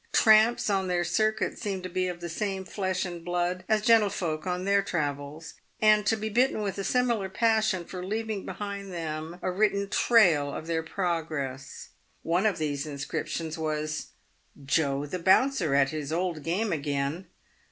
Tramps on their circuit seem to be of the same flesh and blood as gentlefolk on their travels, and to be bitten with a similar passion for leaving behind them a written trail of their progress. One of these inscrip tions was, " Joe the Bouncer at his old game again!"